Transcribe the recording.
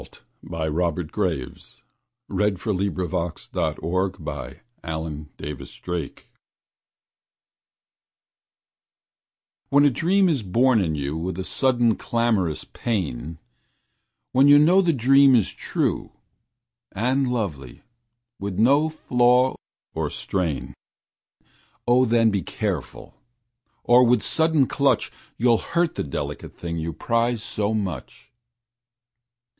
G H . I J . K L . M N . O P . Q R . S T . U V . W X . Y Z A Pinch of Salt WHEN a dream is born in you With a sudden clamorous pain, When you know the dream is true And lovely, with no flaw nor strain, O then, be careful, or with sudden clutch You'll hurt the delicate thing you prize so much.